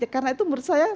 karena itu menurut saya